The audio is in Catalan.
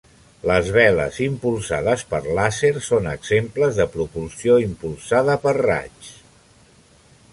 Les veles impulsades per làser són exemples de propulsió impulsada per raigs.